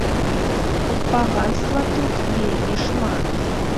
Паганства тут вельмі шмат.